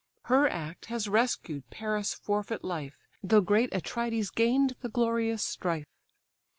Her act has rescued Paris' forfeit life, Though great Atrides gain'd the glorious strife.